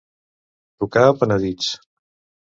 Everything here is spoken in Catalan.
Tocar a penedits.